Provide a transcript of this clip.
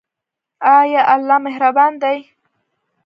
آیا الله مهربان دی؟